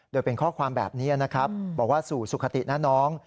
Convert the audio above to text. โดยเป็นข้อความแบบนี้นะครับบอกว่าสู่สุขตินะน้อง